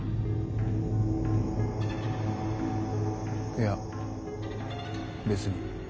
いや別に。